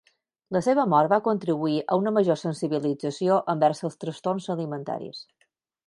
La seva mort va contribuir a una major sensibilització envers els trastorns alimentaris.